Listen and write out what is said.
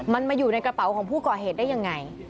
มันมาอยู่ในกระเป๋าของผู้ก่อเหตุได้ยังไง